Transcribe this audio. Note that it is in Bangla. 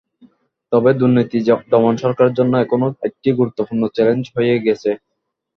তবে দুর্নীতি দমন সরকারের জন্য এখনো একটি গুরুত্বপূর্ণ চ্যালেঞ্জ হয়ে আছে।